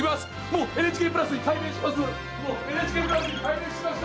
もうＮＨＫプラスに改名しました！